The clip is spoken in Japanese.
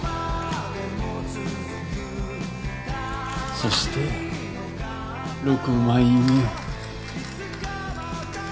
そして６枚目。